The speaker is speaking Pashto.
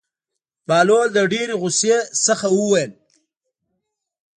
بهلول د ډېرې غوسې نه وویل.